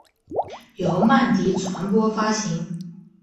由曼迪传播发行。